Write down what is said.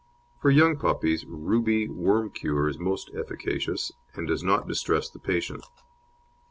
For young puppies "Ruby" Worm Cure is most efficacious, and does not distress the patient.